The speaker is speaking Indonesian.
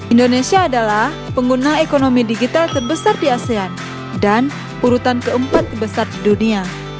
indonesia adalah pengguna ekonomi digital terbesar di asean dan urutan keempat terbesar di dunia